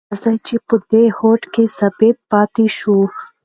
راځئ چې په دې هوډ کې ثابت پاتې شو.